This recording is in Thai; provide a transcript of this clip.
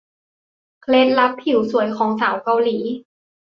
เคล็ดลับผิวสวยของสาวเกาหลี